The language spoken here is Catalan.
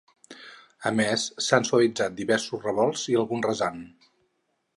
A més, s’han suavitzant diversos revolts i alguna rasant.